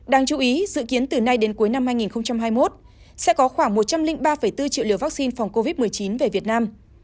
đáng chú ý dự kiến từ nay đến cuối năm hai nghìn hai mươi một sẽ có khoảng một trăm linh ba bốn triệu liều vaccine phòng covid một mươi chín về việt nam